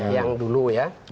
yang dulu ya